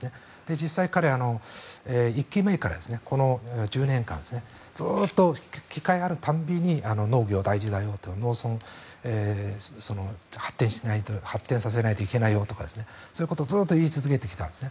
実際、彼、１期目からこの１０年間ずっと機会がある度に農業大事だよと、農村を発展させないといけないよとそういうことをずっと言い続けてきたんです。